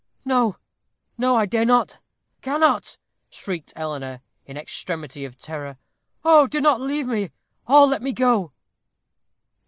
"No, no. I dare not cannot," shrieked Eleanor, in extremity of terror. "Oh! do not leave me, or let me go."